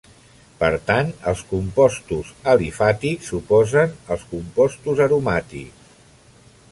Per tant, els compostos alifàtics s'oposen als compostos aromàtics.